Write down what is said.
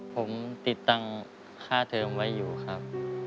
ผมติดตั้งค่าเทิมไว้อยู่ครับ